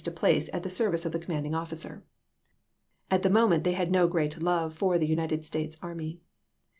W. R. Vol. I., p. 624. place at the service of the commanding officer. At the moment they had no great love for the United States army.